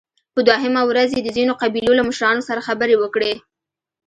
په دوهمه ورځ يې د ځينو قبيلو له مشرانو سره خبرې وکړې